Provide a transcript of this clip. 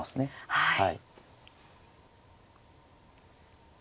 はい。